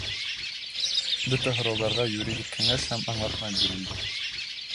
Бөтә һорауҙарға юридик кәңәш һәм аңлатма бирелде.